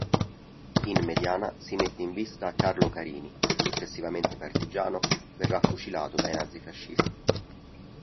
In mediana si mette in vista Carlo Carini, successivamente partigiano, verrà fucilato dai nazifascisti.